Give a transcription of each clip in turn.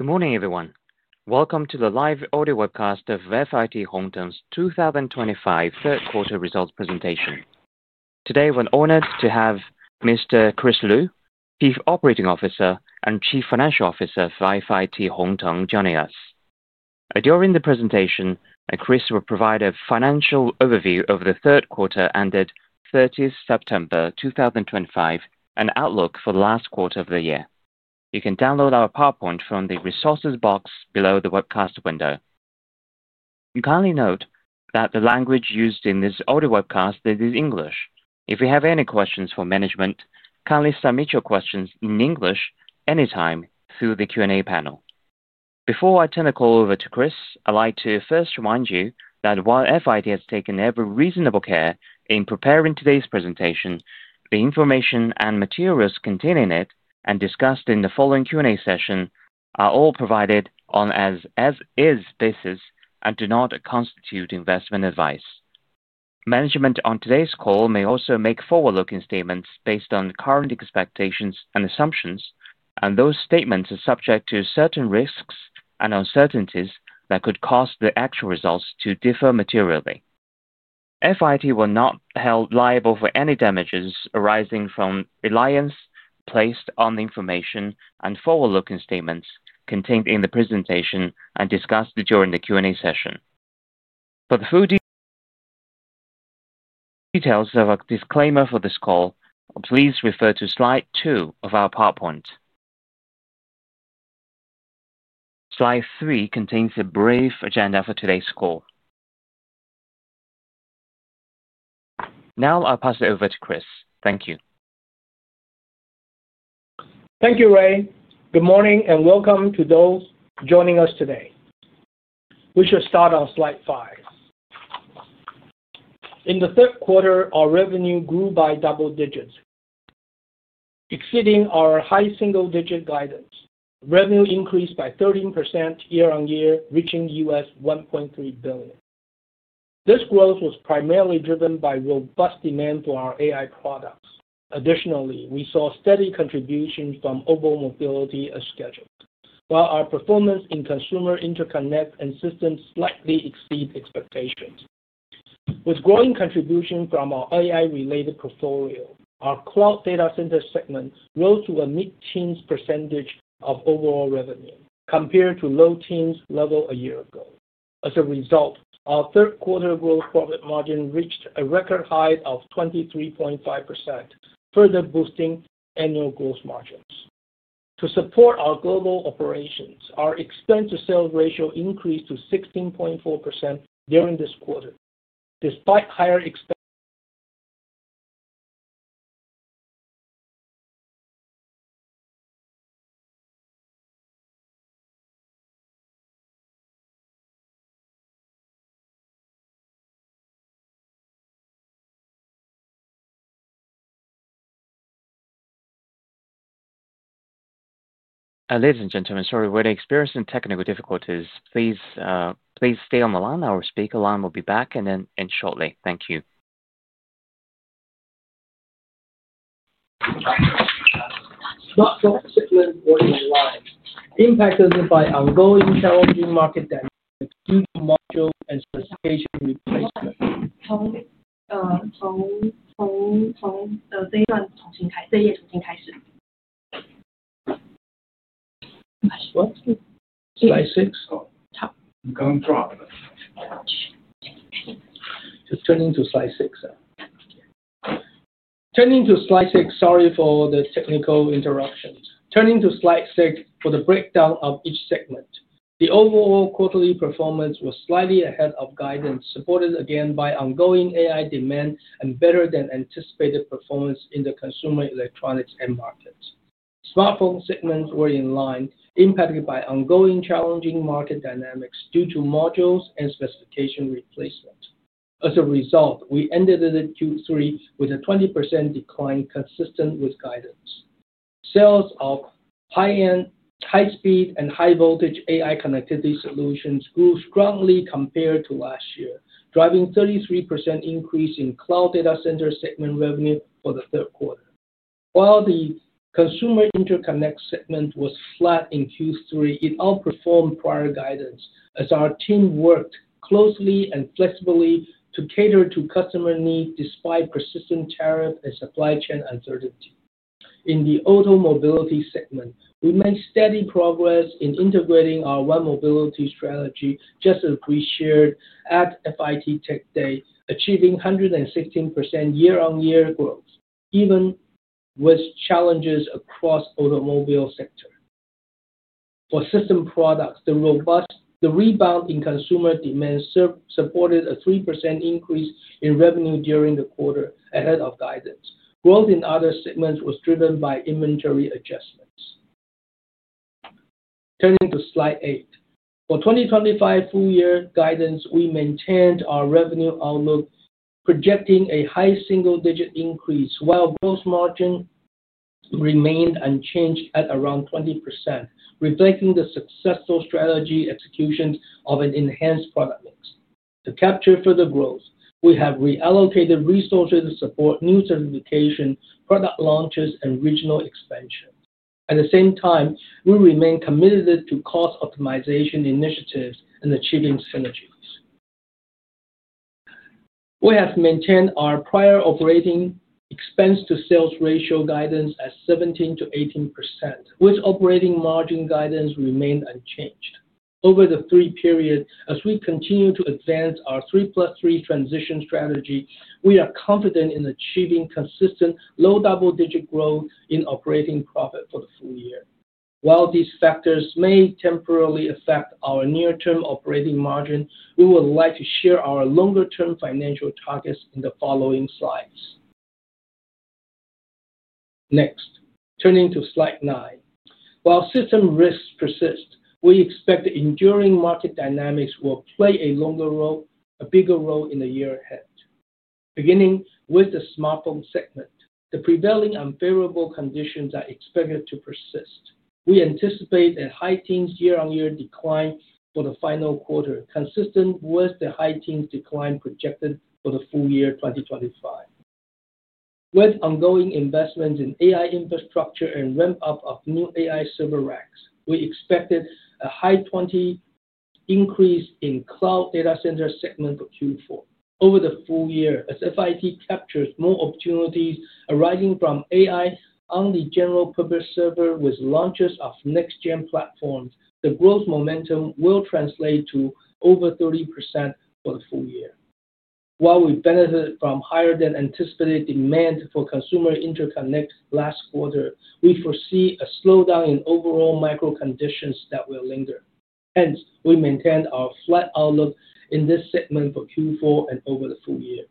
Good morning, everyone. Welcome to the live audio webcast of FIT Hon Teng's 2025 third quarter results presentation. Today, we're honored to have Mr. Chris Liu, Chief Operating Officer and Chief Financial Officer for FIT Hon Teng, joining us. During the presentation, Chris will provide a financial overview of the third quarter ended 30th September 2025 and an outlook for the last quarter of the year. You can download our PowerPoint from the resources box below the webcast window. Kindly note that the language used in this audio webcast is English. If you have any questions for management, kindly submit your questions in English anytime through the Q&A panel. Before I turn the call over to Chris, I'd like to first remind you that while FIT has taken every reasonable care in preparing today's presentation, the information and materials contained in it and discussed in the following Q&A session are all provided on an as-is basis and do not constitute investment advice. Management on today's call may also make forward-looking statements based on current expectations and assumptions, and those statements are subject to certain risks and uncertainties that could cause the actual results to differ materially. FIT will not be held liable for any damages arising from reliance placed on the information and forward-looking statements contained in the presentation and discussed during the Q&A session. For the full details of our disclaimer for this call, please refer to slide two of our PowerPoint. Slide three contains a brief agenda for today's call. Now, I'll pass it over to Chris. Thank you. Thank you, Ray. Good morning and welcome to those joining us today. We should start on slide five. In the third quarter, our revenue grew by double digits, exceeding our high single-digit guidance. Revenue increased by 13% year-on-year, reaching $1.3 billion. This growth was primarily driven by robust demand for our AI products. Additionally, we saw steady contributions from mobile mobility as scheduled, while our performance in consumer interconnect and systems slightly exceeded expectations. With growing contributions from our AI-related portfolio, our cloud data center segment rose to a mid-teens percentage of overall revenue compared to low-teens level a year ago. As a result, our third-quarter gross profit margin reached a record high of 23.5%, further boosting annual gross margins. To support our global operations, our expense-to-sale ratio increased to 16.4% during this quarter. Despite higher expense, Ladies and gentlemen, sorry, we're experiencing technical difficulties. Please stay on the line. Our speaker line will be back shortly. Thank you. Impacted by our low-intelligent market demand due to module and specification replacement. I'm going to drop. Just turn into slide six. Turning to slide six, sorry for the technical interruptions. Turning to slide six for the breakdown of each segment. The overall quarterly performance was slightly ahead of guidance, supported again by ongoing AI demand and better-than-anticipated performance in the consumer electronics end market. Smartphone segments were in line, impacted by ongoing challenging market dynamics due to modules and specification replacement. As a result, we ended Q3 with a 20% decline consistent with guidance. Sales of high-speed and high-voltage AI connectivity solutions grew strongly compared to last year, driving a 33% increase in cloud data center segment revenue for the third quarter. While the consumer interconnect segment was flat in Q3, it outperformed prior guidance as our team worked closely and flexibly to cater to customer needs despite persistent tariff and supply chain uncertainty. In the auto mobility segment, we made steady progress in integrating our Web mobility strategy just as we shared at FIT Tech Day, achieving 116% year-on-year growth, even with challenges across the automobile sector. For system products, the rebound in consumer demand supported a 3% increase in revenue during the quarter ahead of guidance. Growth in other segments was driven by inventory adjustments. Turning to slide eight. For 2025 full-year guidance, we maintained our revenue outlook, projecting a high single-digit increase while gross margin remained unchanged at around 20%, reflecting the successful strategy execution of an enhanced product mix. To capture further growth, we have reallocated resources to support new certification, product launches, and regional expansion. At the same time, we remain committed to cost optimization initiatives and achieving synergies. We have maintained our prior operating expense-to-sales ratio guidance at 17%-18%, with operating margin guidance remained unchanged. Over the three periods, as we continue to advance our 3+3 transition strategy, we are confident in achieving consistent low double-digit growth in operating profit for the full year. While these factors may temporarily affect our near-term operating margin, we would like to share our longer-term financial targets in the following slides. Next, turning to slide nine. While system risks persist, we expect enduring market dynamics will play a bigger role in the year ahead. Beginning with the smartphone segment, the prevailing unfavorable conditions are expected to persist. We anticipate a high teens year-on-year decline for the final quarter, consistent with the high teens decline projected for the full year 2025. With ongoing investments in AI infrastructure and ramp-up of new AI server racks, we expected a high 20% increase in cloud data center segment for Q4. Over the full year, as FIT captures more opportunities arising from AI on the general-purpose server with launches of next-gen platforms, the growth momentum will translate to over 30% for the full year. While we benefit from higher-than-anticipated demand for consumer interconnect last quarter, we foresee a slowdown in overall micro-conditions that will linger. Hence, we maintain our flat outlook in this segment for Q4 and over the full year.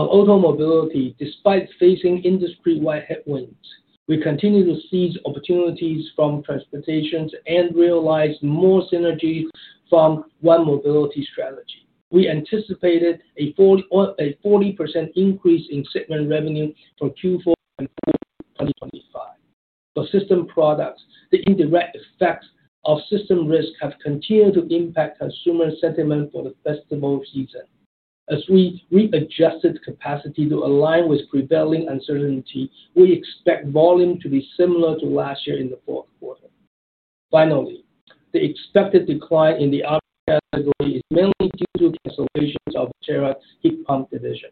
Our auto mobility, despite facing industry-wide headwinds, we continue to seize opportunities from transportation and realize more synergy from web mobility strategy. We anticipated a 40% increase in segment revenue for Q4 and Q4 2025. For system products, the indirect effects of system risks have continued to impact consumer sentiment for the festival season. As we readjusted capacity to align with prevailing uncertainty, we expect volume to be similar to last year in the fourth quarter. Finally, the expected decline in the RF category is mainly due to cancellations of the TERRA heat pump division.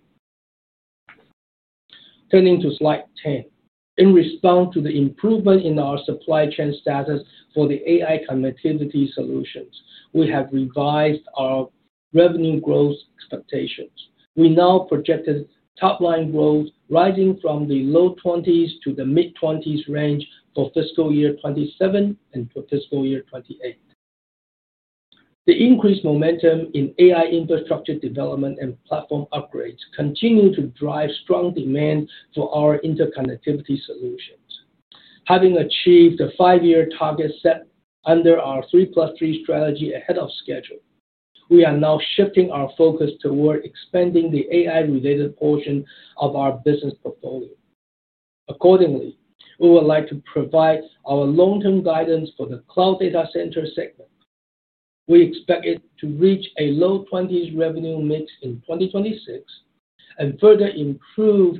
Turning to slide 10. In response to the improvement in our supply chain status for the AI connectivity solutions, we have revised our revenue growth expectations. We now project top-line growth rising from the low 20s to the mid-20s range for fiscal year 2027 and for fiscal year 2028. The increased momentum in AI infrastructure development and platform upgrades continue to drive strong demand for our interconnectivity solutions. Having achieved the five-year target set under our 3+3 strategy ahead of schedule, we are now shifting our focus toward expanding the AI-related portion of our business portfolio. Accordingly, we would like to provide our long-term guidance for the cloud data center segment. We expect it to reach a low 20s revenue mix in 2026 and further improve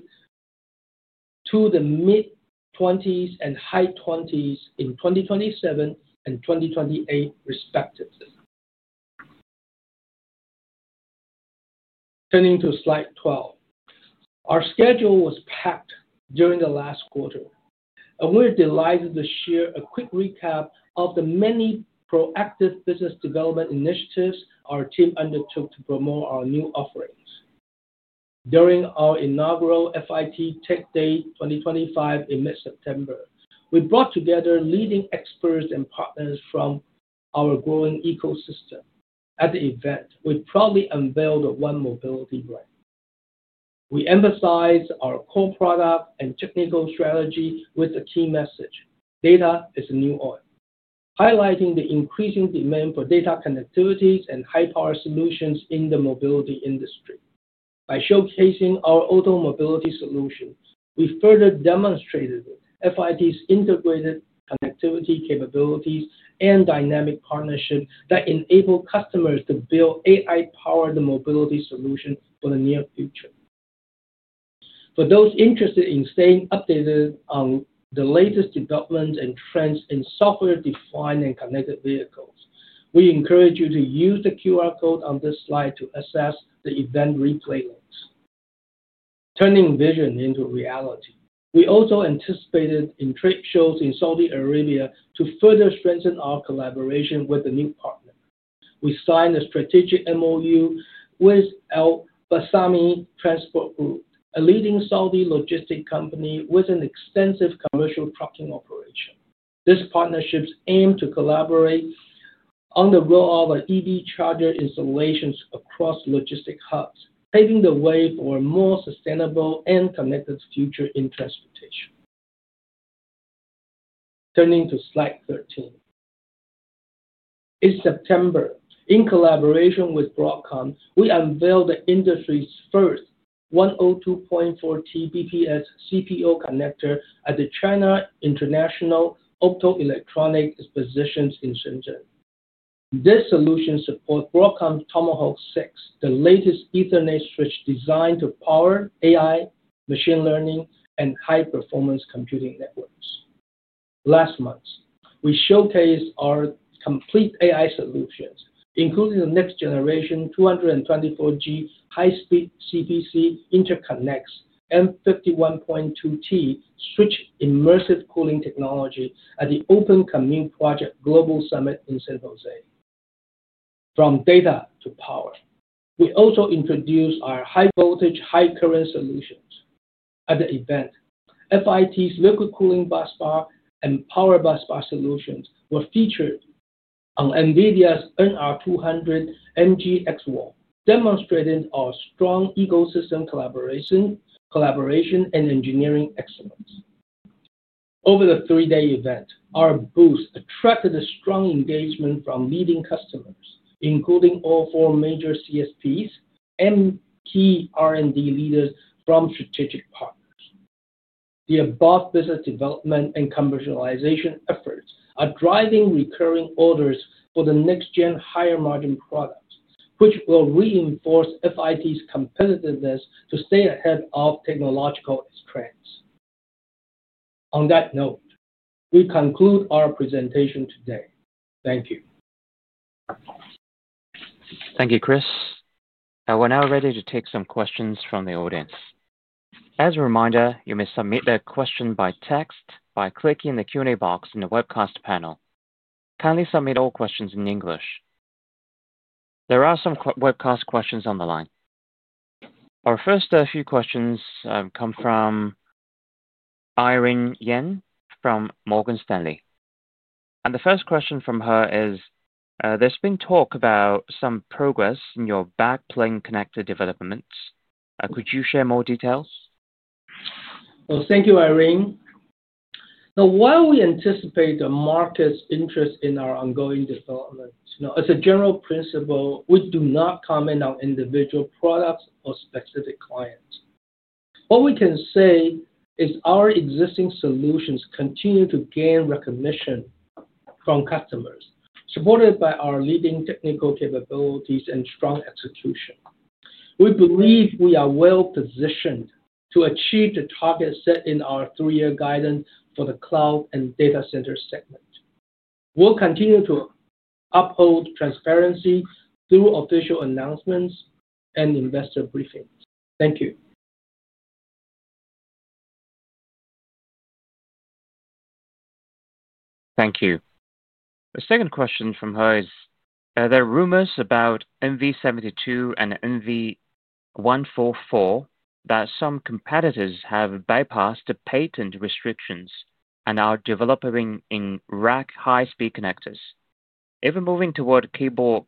to the mid-20s and high 20s in 2027 and 2028 respectively. Turning to slide 12. Our schedule was packed during the last quarter, and we're delighted to share a quick recap of the many proactive business development initiatives our team undertook to promote our new offerings. During our inaugural FIT Tech Day 2025 in mid-September, we brought together leading experts and partners from our growing ecosystem. At the event, we proudly unveiled the web mobility brand. We emphasized our core product and technical strategy with a key message: "Data is the new oil," highlighting the increasing demand for data connectivities and high-power solutions in the mobility industry. By showcasing our auto mobility solution, we further demonstrated FIT's integrated connectivity capabilities and dynamic partnerships that enable customers to build AI-powered mobility solutions for the near future. For those interested in staying updated on the latest developments and trends in software-defined and connected vehicles, we encourage you to use the QR code on this slide to access the event replay links. Turning vision into reality, we also anticipated trade shows in Saudi Arabia to further strengthen our collaboration with a new partner. We signed a strategic MOU with Al-Bassami Transport Group, a leading Saudi logistics company with an extensive commercial trucking operation. This partnership aimed to collaborate on the roll of EV charger installations across logistics hubs, paving the way for a more sustainable and connected future in transportation. Turning to slide 13. In September, in collaboration with Broadcom, we unveiled the industry's first 102.4 Tbps CPO connector at the China International Optoelectronics Exposition in Shenzhen. This solution supports Broadcom's Tomahawk 6, the latest Ethernet switch designed to power AI, machine learning, and high-performance computing networks. Last month, we showcased our complete AI solutions, including the next-generation 224G high-speed CPC interconnects and 51.2T switch immersive cooling technology at the Open Compute Project Global Summit in San Jose. From data to power, we also introduced our high-voltage, high-current solutions. At the event, FIT's liquid cooling busbar and power busbar solutions were featured on NVIDIA's NR200 MG XWALK, demonstrating our strong ecosystem collaboration and engineering excellence. Over the three-day event, our booth attracted a strong engagement from leading customers, including all four major CSPs and key R&D leaders from strategic partners. The above business development and commercialization efforts are driving recurring orders for the next-gen higher-margin products, which will reinforce FIT's competitiveness to stay ahead of technological trends. On that note, we conclude our presentation today. Thank you. Thank you, Chris. We're now ready to take some questions from the audience. As a reminder, you may submit a question by text by clicking the Q&A box in the webcast panel. Kindly submit all questions in English. There are some webcast questions on the line. Our first few questions come from Irene Yen from Morgan Stanley. The first question from her is, there's been talk about some progress in your backplane connector developments. Could you share more details? Thank you, Irene. While we anticipate the market's interest in our ongoing development, as a general principle, we do not comment on individual products or specific clients. What we can say is our existing solutions continue to gain recognition from customers, supported by our leading technical capabilities and strong execution. We believe we are well positioned to achieve the targets set in our three-year guidance for the cloud and data center segment. We'll continue to uphold transparency through official announcements and investor briefings. Thank you. Thank you. The second question from her is, there are rumors about NV72 and NV144 that some competitors have bypassed the patent restrictions and are developing in rack high-speed connectors, even moving toward keyboard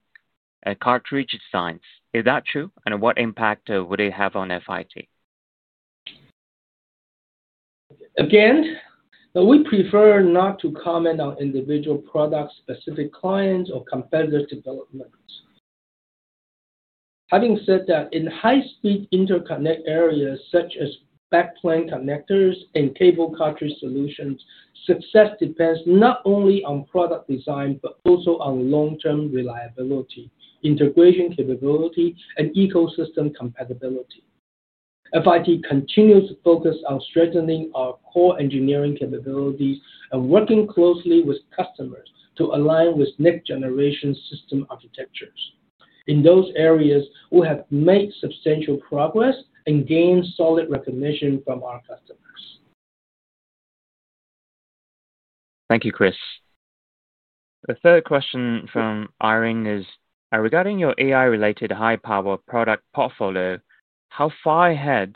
cartridge designs. Is that true, and what impact would it have on FIT? Again, we prefer not to comment on individual product-specific clients or competitor developments. Having said that, in high-speed interconnect areas such as backplane connectors and cable cartridge solutions, success depends not only on product design, but also on long-term reliability, integration capability, and ecosystem compatibility. FIT continues to focus on strengthening our core engineering capabilities and working closely with customers to align with next-generation system architectures. In those areas, we have made substantial progress and gained solid recognition from our customers. Thank you, Chris. The third question from Irene is, regarding your AI-related high-power product portfolio, how far ahead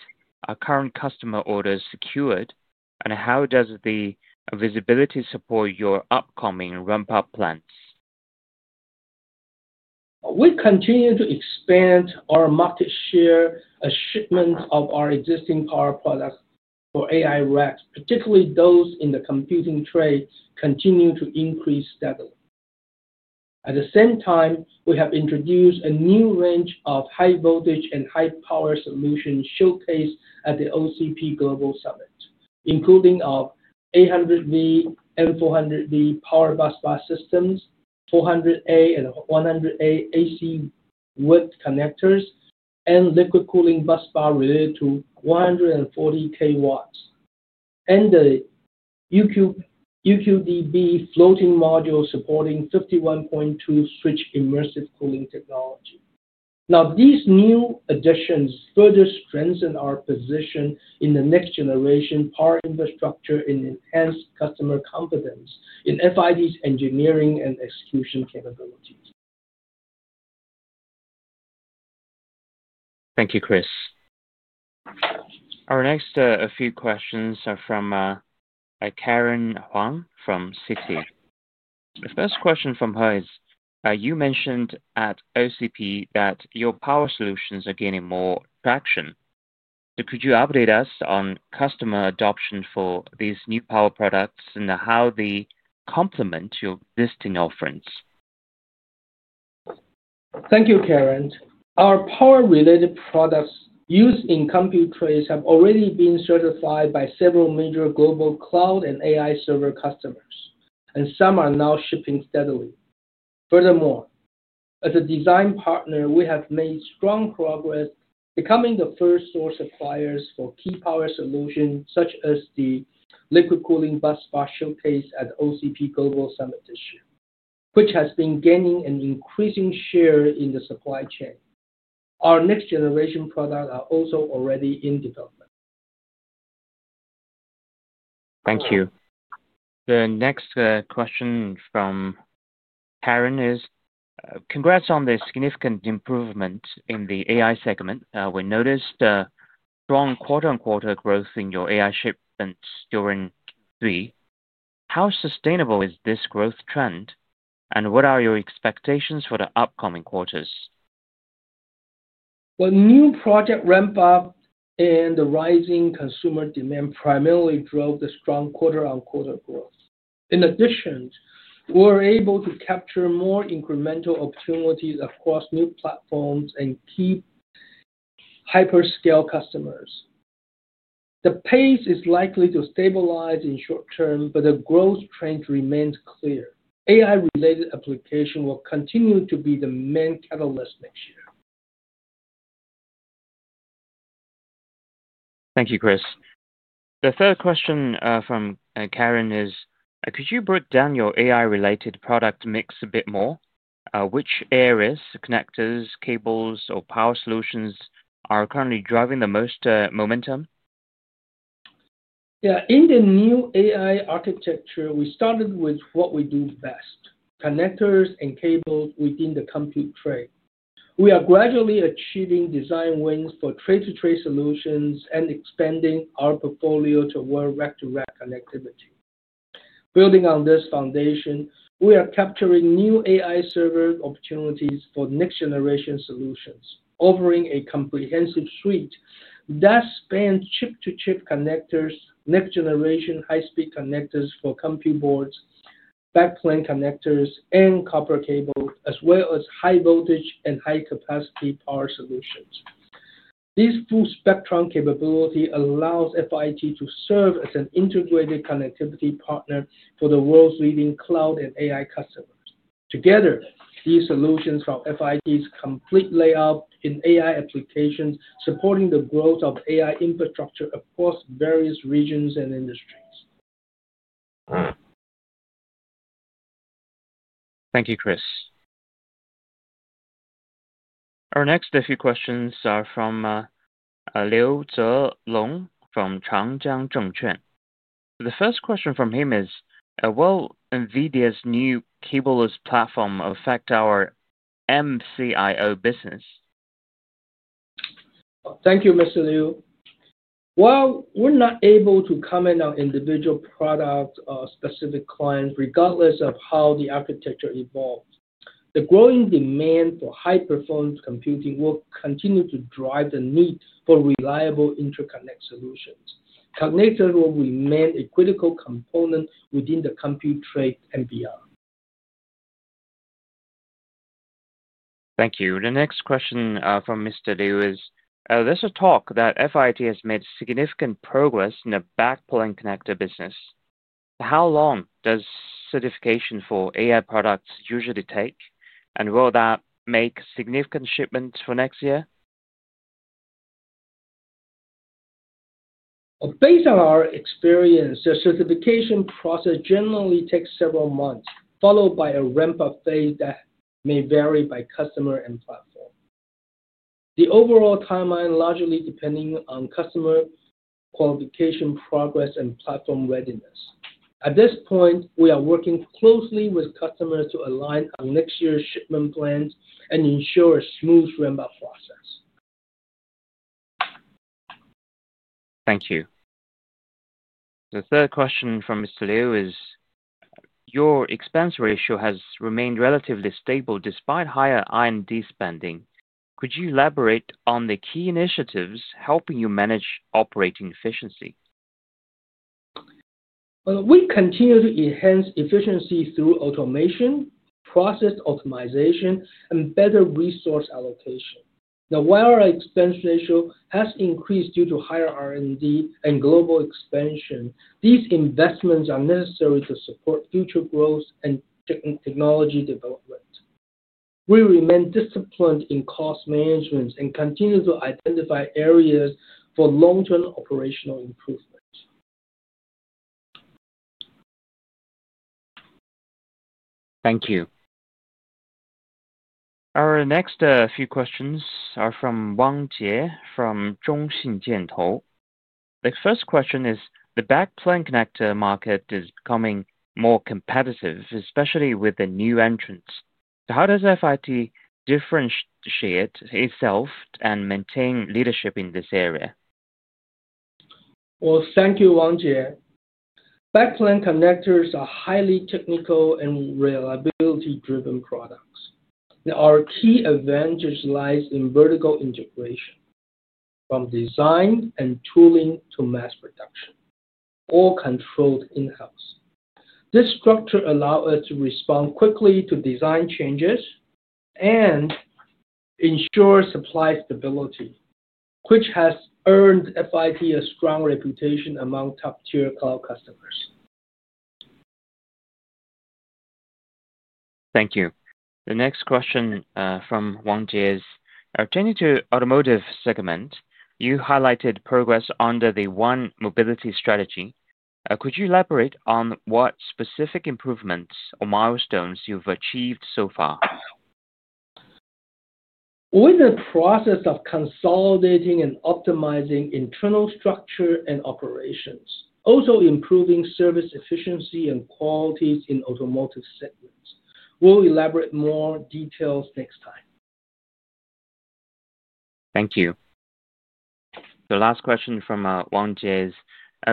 are current customer orders secured, and how does the visibility support your upcoming ramp-up plans? We continue to expand our market share achievement of our existing power products for AI racks, particularly those in the computing trade, continuing to increase steadily. At the same time, we have introduced a new range of high-voltage and high-power solutions showcased at the OCP Global Summit, including 800 V and 400 V power busbar systems, 400A and 100 A AC width connectors, and liquid cooling busbar related to 140 kW, and the UQDB floating module supporting 51.2T switch immersive cooling technology. Now, these new additions further strengthen our position in the next-generation power infrastructure and enhance customer confidence in FIT's engineering and execution capabilities. Thank you, Chris. Our next few questions are from Karen Huang from Citi. The first question from her is, you mentioned at OCP that your power solutions are gaining more traction. Could you update us on customer adoption for these new power products and how they complement your existing offerings? Thank you, Karen. Our power-related products used in compute trays have already been certified by several major global cloud and AI server customers, and some are now shipping steadily. Furthermore, as a design partner, we have made strong progress becoming the first source suppliers for key power solutions such as the liquid cooling busbar showcased at OCP Global Summit this year, which has been gaining an increasing share in the supply chain. Our next-generation products are also already in development. Thank you. The next question from Karen is, congrats on the significant improvement in the AI segment. We noticed strong quarter-on-quarter growth in your AI shipments during Q3. How sustainable is this growth trend, and what are your expectations for the upcoming quarters? New project ramp-up and the rising consumer demand primarily drove the strong quarter-on-quarter growth. In addition, we're able to capture more incremental opportunities across new platforms and keep hyperscale customers. The pace is likely to stabilize in the short term, but the growth trend remains clear. AI-related applications will continue to be the main catalyst next year. Thank you, Chris. The third question from Karen is, could you break down your AI-related product mix a bit more? Which areas, connectors, cables, or power solutions are currently driving the most momentum? Yeah, in the new AI architecture, we started with what we do best: connectors and cables within the compute tray. We are gradually achieving design wins for tray-to-tray solutions and expanding our portfolio toward rack-to-rack connectivity. Building on this foundation, we are capturing new AI server opportunities for next-generation solutions, offering a comprehensive suite that spans chip-to-chip connectors, next-generation high-speed connectors for compute boards, backplane connectors, and copper cables, as well as high-voltage and high-capacity power solutions. This full-spectrum capability allows FIT to serve as an integrated connectivity partner for the world's leading cloud and AI customers. Together, these solutions are FIT's complete layout in AI applications, supporting the growth of AI infrastructure across various regions and industries. Thank you, Chris. Our next few questions are from Liu Zhe Long from Changjiang Zhengquan. The first question from him is, will NVIDIA's new cableless platform affect our MCIO business? Thank you, Mr. Liu. While we're not able to comment on individual products or specific clients, regardless of how the architecture evolves, the growing demand for high-performance computing will continue to drive the need for reliable interconnect solutions. Connectors will remain a critical component within the compute tray and beyond. Thank you. The next question from Mr. Liu is, there's a talk that FIT has made significant progress in the backplane connector business. How long does certification for AI products usually take, and will that make significant shipments for next year? Based on our experience, the certification process generally takes several months, followed by a ramp-up phase that may vary by customer and platform. The overall timeline largely depends on customer qualification progress and platform readiness. At this point, we are working closely with customers to align our next-year shipment plans and ensure a smooth ramp-up process. Thank you. The third question from Mr. Liu is, your expense ratio has remained relatively stable despite higher R&D spending. Could you elaborate on the key initiatives helping you manage operating efficiency? We continue to enhance efficiency through automation, process optimization, and better resource allocation. Now, while our expense ratio has increased due to higher R&D and global expansion, these investments are necessary to support future growth and technology development. We remain disciplined in cost management and continue to identify areas for long-term operational improvement. Thank you. Our next few questions are from Wang Jie from Zhongxin Jiantou. The first question is, the backplane connector market is becoming more competitive, especially with the new entrants. How does FIT differentiate itself and maintain leadership in this area? Thank you, Wang Jie. Backplane connectors are highly technical and reliability-driven products. Our key advantage lies in vertical integration, from design and tooling to mass production, all controlled in-house. This structure allows us to respond quickly to design changes and ensure supply stability, which has earned FIT a strong reputation among top-tier cloud customers. Thank you. The next question from Wang Jie is, turning to the automotive segment, you highlighted progress under the One Mobility Strategy. Could you elaborate on what specific improvements or milestones you've achieved so far? We're in the process of consolidating and optimizing internal structure and operations, also improving service efficiency and qualities in the automotive segment. We'll elaborate more details next time. Thank you. The last question from Wang Jie is,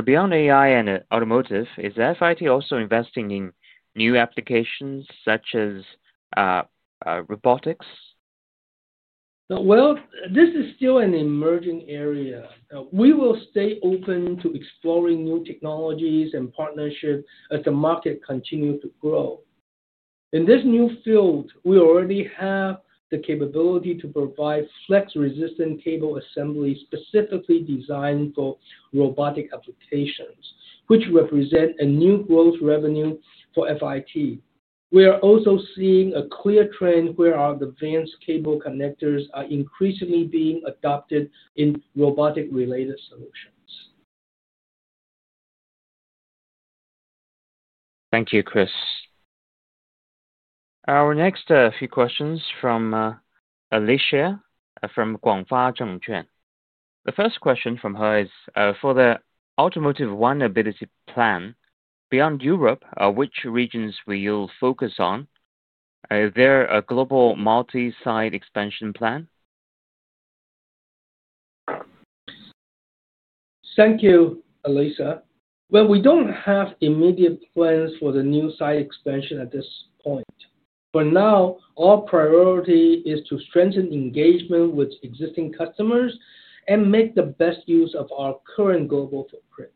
beyond AI and automotive, is FIT also investing in new applications such as robotics? This is still an emerging area. We will stay open to exploring new technologies and partnerships as the market continues to grow. In this new field, we already have the capability to provide flex-resistant cable assemblies specifically designed for robotic applications, which represent a new growth revenue for FIT. We are also seeing a clear trend where our advanced cable connectors are increasingly being adopted in robotic-related solutions. Thank you, Chris. Our next few questions are from Alicia from Guangfa Zhengquan. The first question from her is, for the Automotive One Mobility Plan, beyond Europe, which regions will you focus on? Is there a global multi-site expansion plan? Thank you, Alicia. We do not have immediate plans for the new site expansion at this point. For now, our priority is to strengthen engagement with existing customers and make the best use of our current global footprint.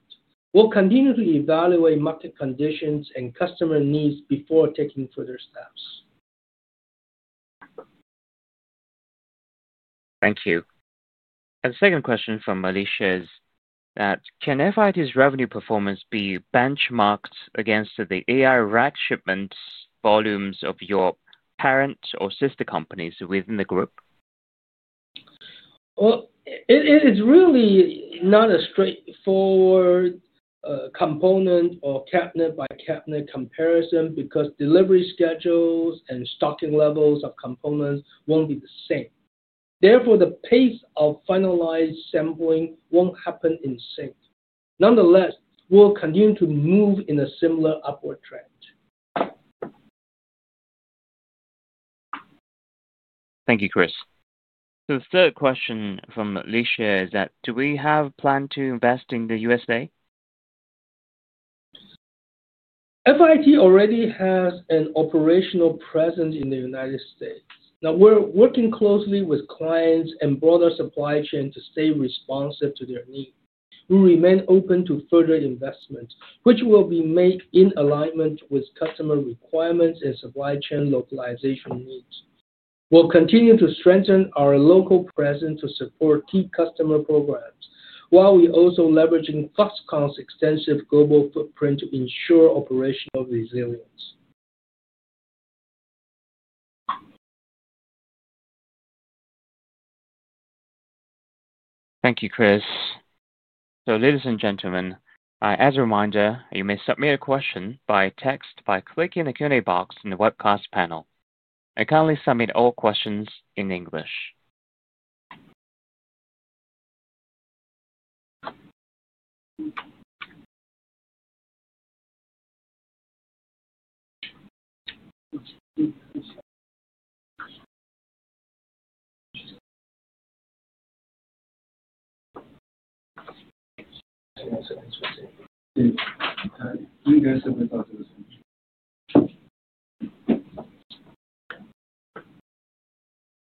We will continue to evaluate market conditions and customer needs before taking further steps. Thank you. The second question from Alicia is, can FIT's revenue performance be benchmarked against the AI rack shipment volumes of your parent or sister companies within the group? It is really not a straightforward component or cabinet-by-cabinet comparison because delivery schedules and stocking levels of components will not be the same. Therefore, the pace of finalized sampling will not happen in sync. Nonetheless, we will continue to move in a similar upward trend. Thank you, Chris. The third question from Alicia is, do we have a plan to invest in the U.S.? FIT already has an operational presence in the United States. Now, we're working closely with clients and broader supply chains to stay responsive to their needs. We remain open to further investments, which will be made in alignment with customer requirements and supply chain localization needs. We'll continue to strengthen our local presence to support key customer programs, while we also leverage Foxconn's extensive global footprint to ensure operational resilience. Thank you, Chris. Ladies and gentlemen, as a reminder, you may submit a question by text by clicking the Q&A box in the webcast panel. I kindly ask you to submit all questions in English.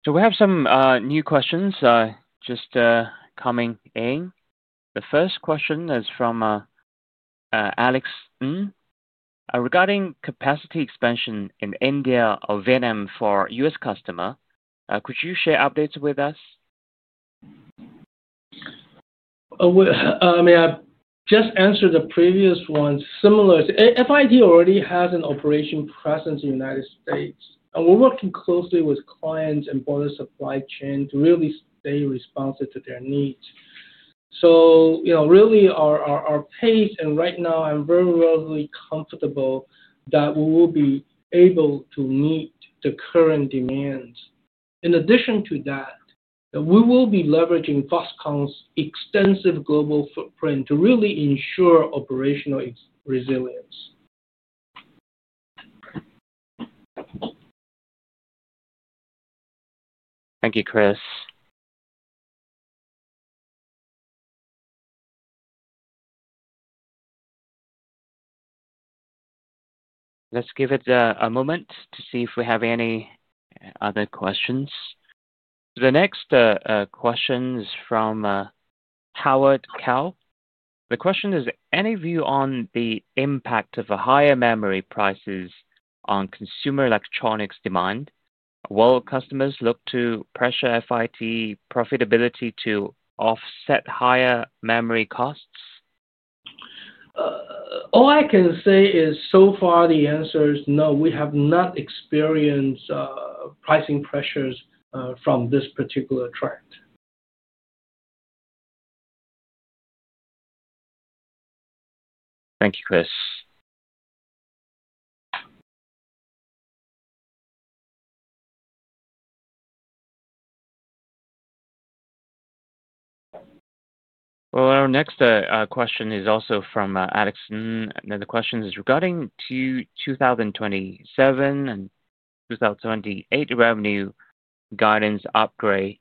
We have some new questions just coming in. The first question is from Alex Ng. Regarding capacity expansion in India or Vietnam for U.S. customers, could you share updates with us? I mean, I just answered the previous one. FIT already has an operation presence in the United States. We're working closely with clients and broader supply chains to really stay responsive to their needs. Really, our pace and right now, I'm very readily comfortable that we will be able to meet the current demands. In addition to that, we will be leveraging Foxconn's extensive global footprint to really ensure operational resilience. Thank you, Chris. Let's give it a moment to see if we have any other questions. The next question is from Howard Cowell. The question is, any view on the impact of higher memory prices on consumer electronics demand? Will customers look to pressure FIT profitability to offset higher memory costs? All I can say is, so far, the answer is no. We have not experienced pricing pressures from this particular trend. Thank you, Chris. Our next question is also from Alex Ng. The question is regarding 2027 and 2028 revenue guidance upgrade.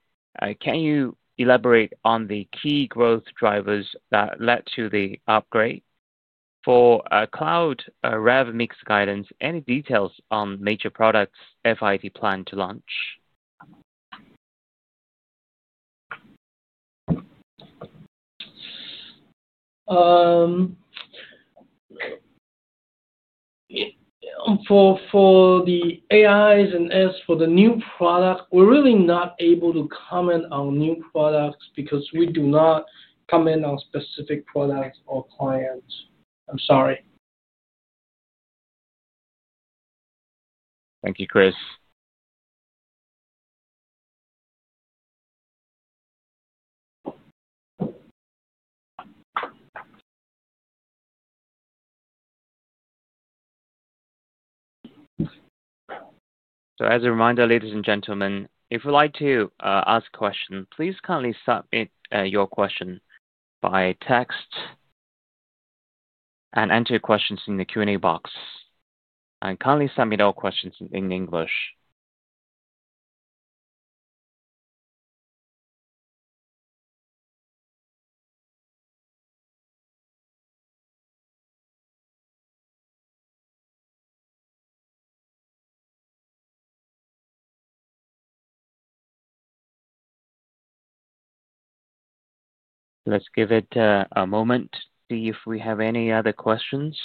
Can you elaborate on the key growth drivers that led to the upgrade? For cloud rev mix guidance, any details on major products FIT planned to launch? For the AIs and S for the new product, we're really not able to comment on new products because we do not comment on specific products or clients. I'm sorry. Thank you, Chris. As a reminder, ladies and gentlemen, if you'd like to ask a question, please kindly submit your question by text and enter your questions in the Q&A box. Kindly submit all questions in English. Let's give it a moment to see if we have any other questions.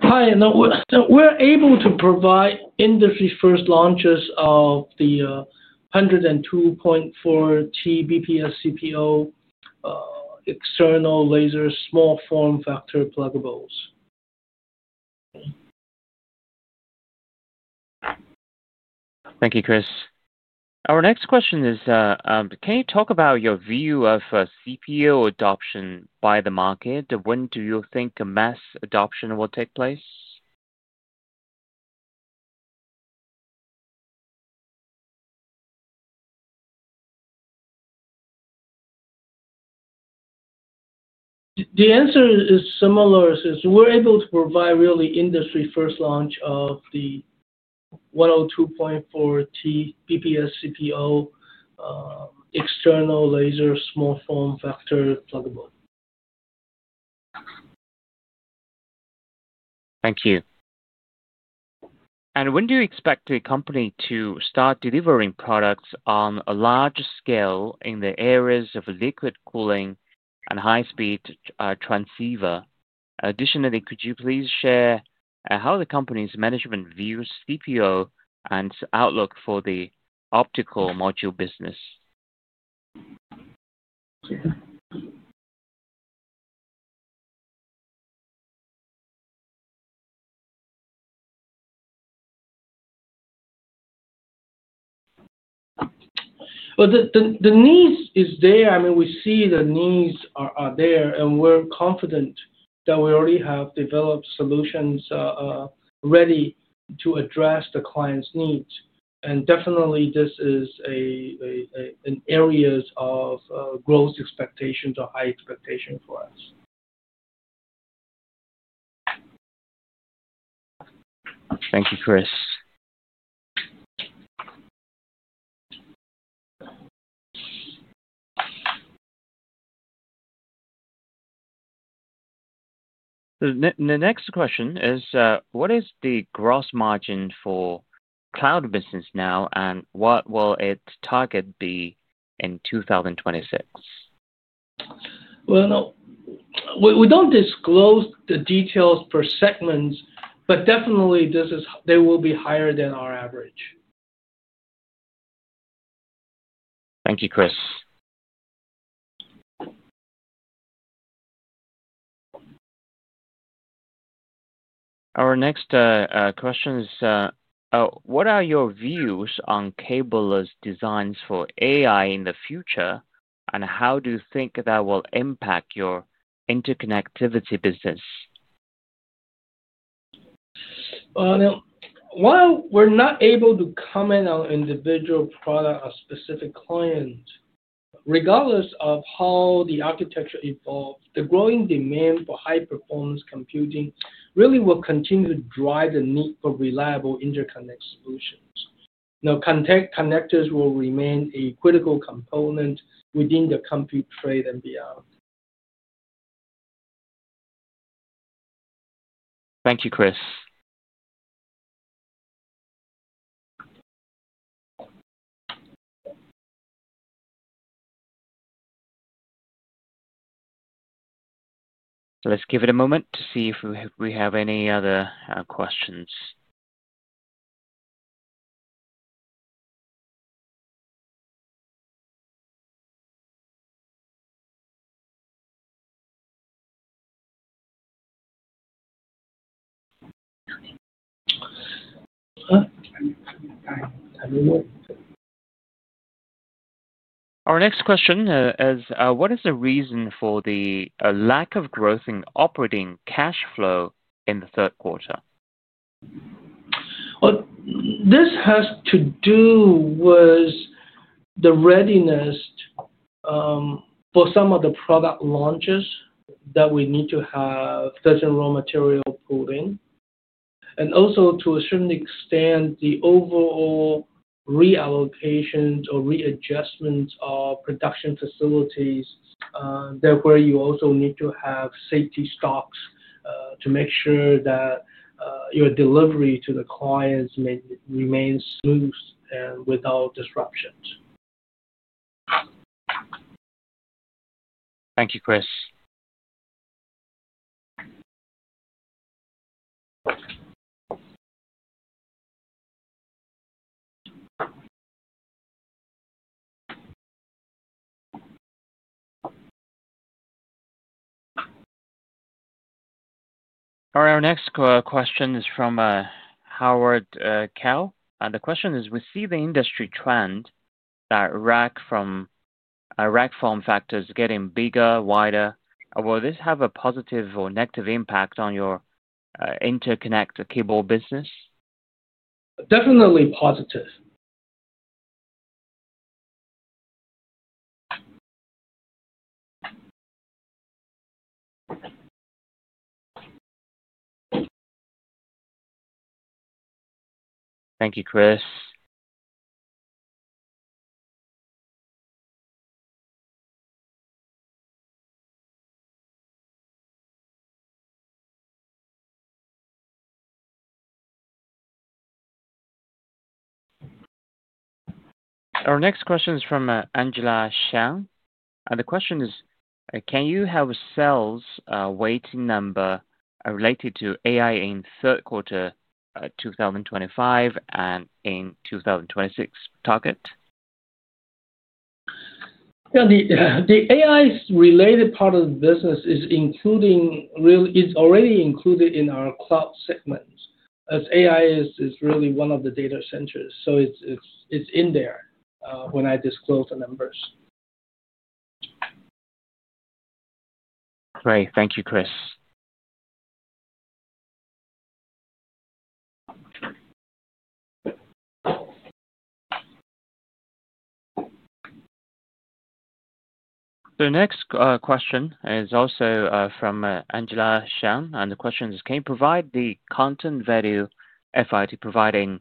Hi. We're able to provide industry-first launches of the 102.4 Tbps CPO external laser small form factor plugables. Thank you, Chris. Our next question is, can you talk about your view of CPO adoption by the market? When do you think mass adoption will take place? The answer is similar. We're able to provide really industry-first launch of the 102.4 Tbps CPO external laser small form factor pluggable. Thank you. When do you expect the company to start delivering products on a large scale in the areas of liquid cooling and high-speed transceiver? Additionally, could you please share how the company's management views CPO and outlook for the optical module business? The need is there. I mean, we see the needs are there, and we're confident that we already have developed solutions ready to address the client's needs. Definitely, this is an area of growth expectations or high expectations for us. Thank you, Chris. The next question is, what is the gross margin for cloud business now, and what will its target be in 2026? We do not disclose the details per segment, but definitely, they will be higher than our average. Thank you, Chris. Our next question is, what are your views on cable designs for AI in the future, and how do you think that will impact your interconnectivity business? While we're not able to comment on individual products or specific clients, regardless of how the architecture evolves, the growing demand for high-performance computing really will continue to drive the need for reliable interconnect solutions. Connectors will remain a critical component within the compute tray and beyond. Thank you, Chris. Let's give it a moment to see if we have any other questions. Our next question is, what is the reason for the lack of growth in operating cash flow in the third quarter? This has to do with the readiness for some of the product launches that we need to have certain raw material pooling. Also, to a certain extent, the overall reallocations or readjustments of production facilities where you also need to have safety stocks to make sure that your delivery to the clients remains smooth and without disruptions. Thank you, Chris. Our next question is from Howard Cowell. The question is, we see the industry trend that rack form factors getting bigger, wider. Will this have a positive or negative impact on your interconnect cable business? Definitely positive. Thank you, Chris. Our next question is from Angela Xiang. The question is, can you have a sales weighting number related to AI in third quarter 2025 and in 2026 target? The AI-related part of the business is already included in our cloud segments. AI is really one of the data centers, so it's in there when I disclose the numbers. Great. Thank you, Chris. The next question is also from Angela Xiang. The question is, can you provide the content value FIT providing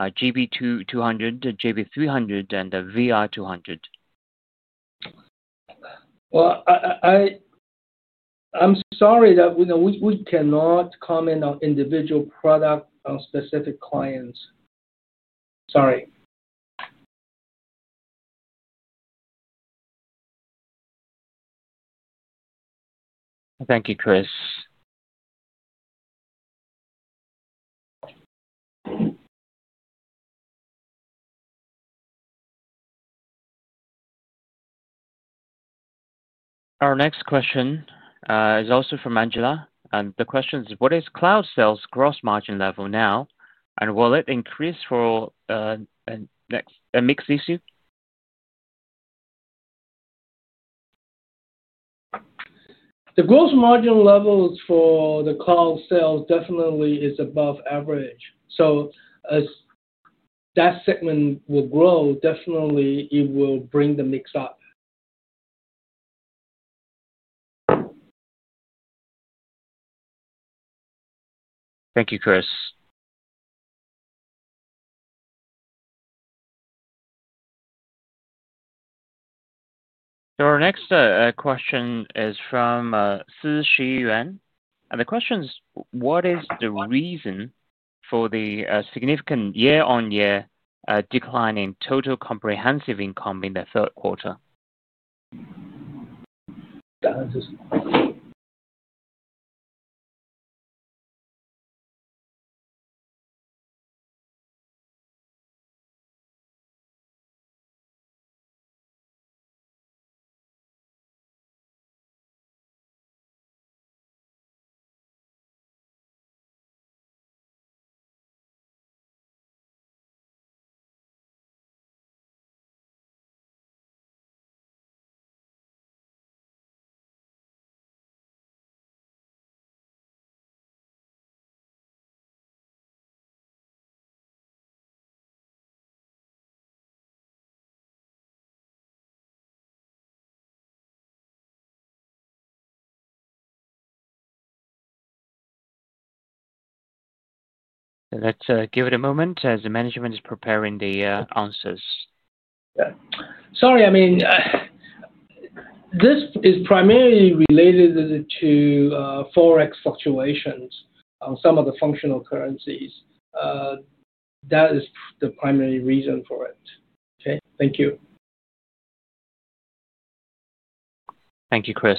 GB200, GB300, and VR200? I'm sorry that we cannot comment on individual products on specific clients. Sorry. Thank you, Chris. Our next question is also from Angela. The question is, what is cloud sales gross margin level now, and will it increase for a mixed issue? The gross margin levels for the cloud sales definitely are above average. As that segment will grow, definitely, it will bring the mix up. Thank you, Chris. Our next question is from Sisi Yuan. The question is, what is the reason for the significant year-on-year decline in total comprehensive income in the third quarter? Let's give it a moment as the management is preparing the answers. Sorry. I mean, this is primarily related to Forex fluctuations on some of the functional currencies. That is the primary reason for it. Okay. Thank you. Thank you, Chris.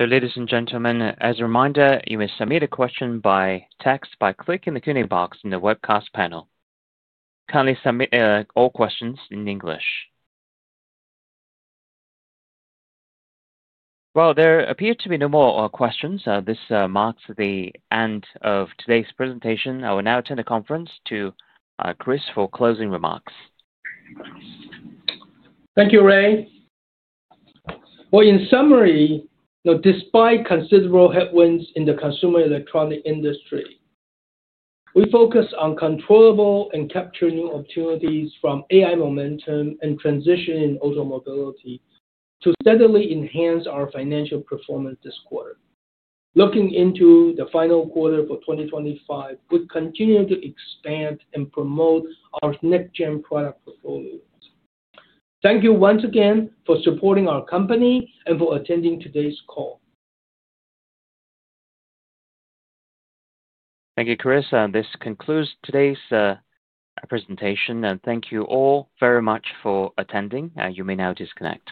Ladies and gentlemen, as a reminder, you may submit a question by text by clicking the Q&A box in the webcast panel. Kindly submit all questions in English. There appear to be no more questions. This marks the end of today's presentation. I will now turn the conference to Chris for closing remarks. Thank you, Ray. In summary, despite considerable headwinds in the consumer electronic industry, we focus on controllable and capturing opportunities from AI momentum and transitioning automobility to steadily enhance our financial performance this quarter. Looking into the final quarter for 2025, we continue to expand and promote our next-gen product portfolios. Thank you once again for supporting our company and for attending today's call. Thank you, Chris. This concludes today's presentation. Thank you all very much for attending. You may now disconnect.